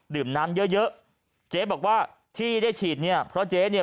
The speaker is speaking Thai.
ดื่มน้ำเยอะเยอะเจ๊บอกว่าที่ได้ฉีดเนี่ยเพราะเจ๊เนี่ย